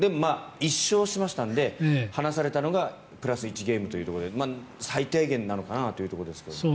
１勝しましたので離されたのがプラス１ゲームということで最低限なのかなというところですが。